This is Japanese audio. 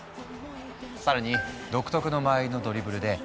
さらに独特の間合いのドリブルで一気に加速